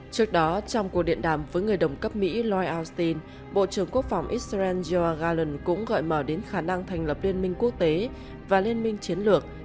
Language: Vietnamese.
trước đó trong cuộc điện đàm với người đồng cấp mỹ lloyd austin bộ trưởng quốc phòng israel yoa garlen cũng gợi mở đến khả năng thành lập liên minh quốc tế và liên minh chiến lược